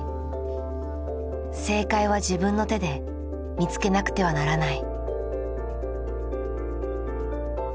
正解は自分の手で見つけなくてはならない。